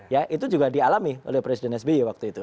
ya itu juga dialami oleh presiden sby waktu itu